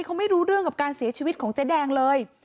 เขาไม่รู้เรื่องกับการเสียชีวิตของเจ๊แดงเลย